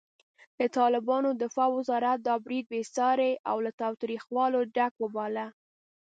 د طالبانو دفاع وزارت دا برید بېساری او له تاوتریخوالي ډک وباله.